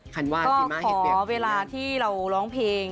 ขอเวลาที่เราร้องเพลง